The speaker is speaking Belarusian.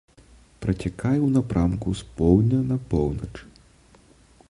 Працякае ў напрамку з поўдня на поўнач.